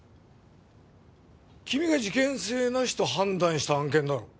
君が事件性なしと判断した案件だろう。